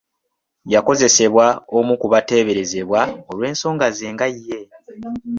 Yakozesebwa omu ku bateeberezebwa olw'ensonga ze nga ye.